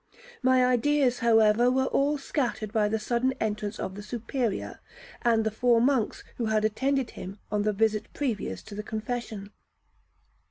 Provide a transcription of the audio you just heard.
My ideas, however, were all scattered by the sudden entrance of the Superior and the four monks who had attended him on the visit previous to the confession.